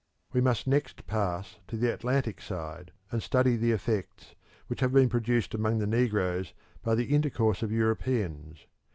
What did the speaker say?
We must next pass to the Atlantic side, and study the effects which have been produced among the negroes by the intercourse of Europeans.